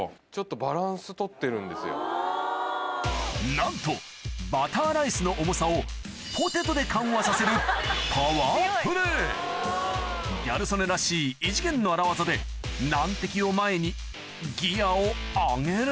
なんとバターライスの重さをギャル曽根らしい異次元の荒業で難敵を前にギアを上げる